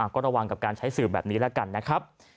ก็ระวังกับการใช้สื่อแบบนี้แล้วกันนะครับ